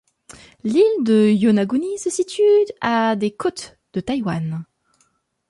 L'île de Yonaguni se situe à des côtes de Taïwan.